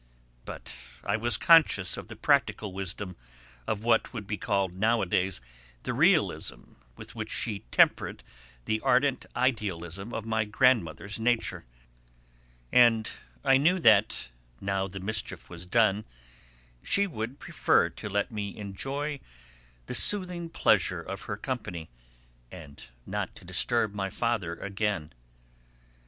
But I was conscious of the practical wisdom, of what would be called nowadays the realism with which she tempered the ardent idealism of my grandmother's nature, and I knew that now the mischief was done she would prefer to let me enjoy the soothing pleasure of her company, and not to disturb my father again.